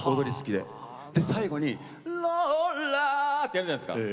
で最後に「ローラ」ってやるじゃないすか。